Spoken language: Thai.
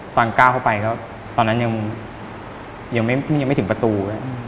ตอนก้าวเข้าไปก็ตอนนั้นยังไม่ถึงประตู